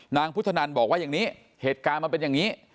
นางพุทธนันบอกว่าอย่างนี้เหตุการณ์มันเป็นอย่างนี้